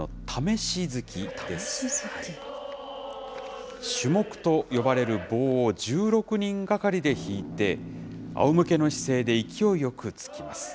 しゅもくと呼ばれる棒を１６人がかりでひいて、あおむけの姿勢で勢いよくつきます。